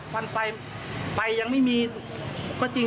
วันไฟไฟยังไม่มีก็จริง